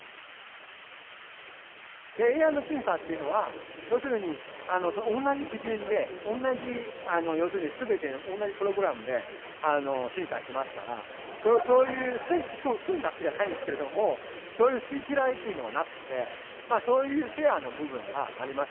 ＡＩの審査っていうのは、要するに、同じ基準で、同じ、要するにすべて同じプログラムで審査しますから、そういうそんたくじゃないですけれども、そういう好き嫌いというのはなくて、そういうフェアな部分があります。